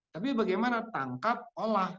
tapi bagaimana tangkap olah